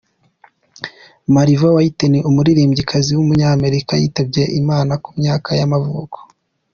Marva Whitney, umuririmbyikazi w’umunyamerika yitabye Imana ku myaka y’amavuko.